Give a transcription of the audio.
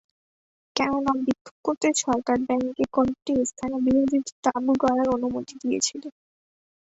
কেননা, বিক্ষোভ করতে সরকার ব্যাংককে কয়েকটি স্থানে বিরোধীদের তাঁবু গাড়ার অনুমতি দিয়েছিল।